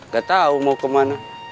gak tahu mau kemana